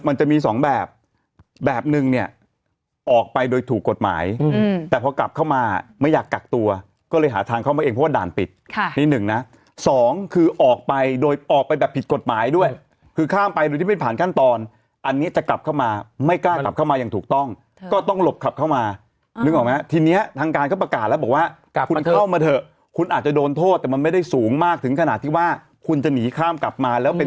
นี่หนึ่งนะสองคือออกไปโดยออกไปแบบผิดกฎหมายด้วยคือข้ามไปดูที่เป็นผ่านขั้นตอนอันนี้จะกลับเข้ามาไม่กล้ากลับเข้ามาอย่างถูกต้องก็ต้องหลบกลับเข้ามานึกออกมั้ยทีเนี้ยทางการเขาประกาศแล้วบอกว่ากลับมาเถอะคุณเข้ามาเถอะคุณอาจจะโดนโทษแต่มันไม่ได้สูงมากถึงขนาดที่ว่าคุณจะหนีข้ามกลับมาแล้วเป็น